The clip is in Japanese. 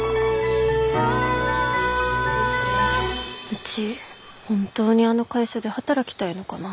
うち本当にあの会社で働きたいのかな。